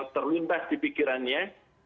terlintas di pikirannya